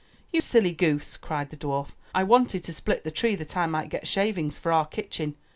"You silly goose," cried the dwarf, "I wanted to split the tree that I might get shavings for our kitchen.